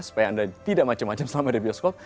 supaya anda tidak macem macem selama di bioskop